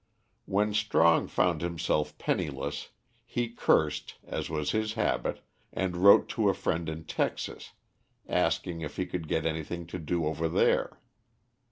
When Strong found himself penniless, he cursed, as was his habit, and wrote to a friend in Texas asking if he could get anything to do over there.